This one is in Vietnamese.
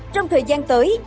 trong thời gian tới